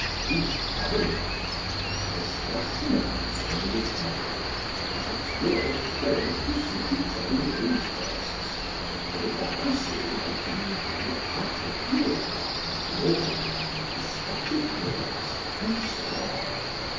"Each government," says Thrasymachus in the Republic, "has its laws framed to suit its own interests; a democracy making democratic laws; an autocrat despotic laws, and so on.